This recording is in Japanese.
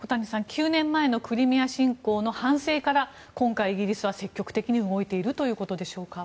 ９年前のクリミア侵攻の反省から今回、イギリスは積極的に動いているということでしょうか。